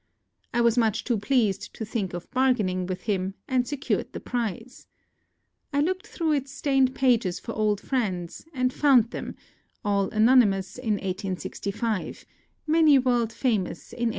I was much too pleased to think of bargaining with him, and secured the prize. I looked through its stained pages for old friends, and found them, — all anonymous in 1865, many world famous in 1895.